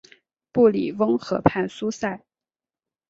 布里翁河畔苏塞。